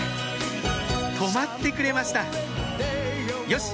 止まってくれましたよし！